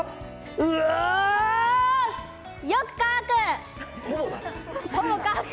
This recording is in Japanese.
うおー、よく乾く。